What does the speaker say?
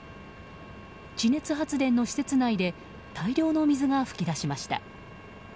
地熱発電の施設内で大量の水が噴き出しました。